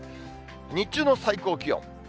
日中の最高気温。